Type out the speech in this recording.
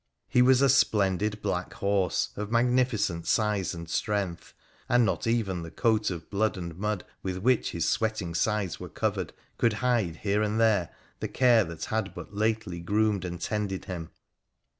He was a splendid black horse, of magnificent size and strength ; and not even the coat of blood and mud with which his sweating sides were covered could hide, here and there, the care that had but lately groomed and tended him.